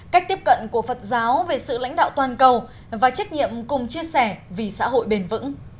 cách tiếp cận của phật giáo về sự lãnh đạo toàn cầu và trách nhiệm cùng chia sẻ vì xã hội bền vững